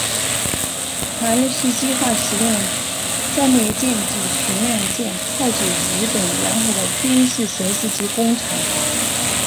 哈尔西计划使用战列舰及巡洋舰炮击日本沿海的军事设施及工厂。